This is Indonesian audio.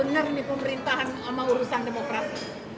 bener nih pemerintahan sama urusan demokrasi